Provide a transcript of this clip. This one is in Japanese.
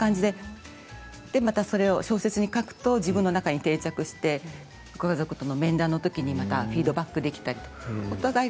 で、またそれを小説に書くと自分の中に定着してご家族との面談のときにまたフィードバックできたりとか。